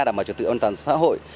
đảm bảo trật tự an toàn xã hội